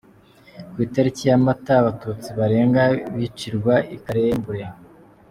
Ku itariki ya Mata : Abatutsi barenga bicirwa i Karembure.